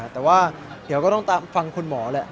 แต่ว่าเดี๋ยวก็ต้องตามฟังคุณหมอแหละ